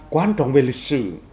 quan trọng về lịch sử